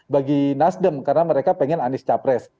bagi nasdem karena mereka pengen anies capres